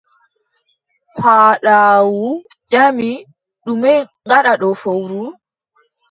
Paaɗaawu ƴami: ɗume ngaɗɗa ɗo fowru?